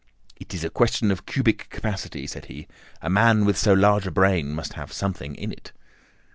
"It is a question of cubic capacity," said he; "a man with so large a brain must have something in it."